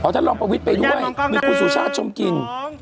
ท่านรองประวิทย์ไปด้วยมีคุณสุชาติชมกิน